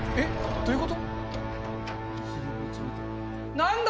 どういうこと？